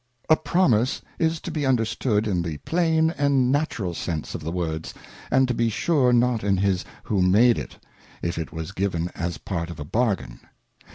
A Promise is to be understood in the plain and natural sense of the words, and to be sure not in his who made it, if it was given as part of a Bargain.